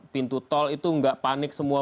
pintu tol itu nggak panik semua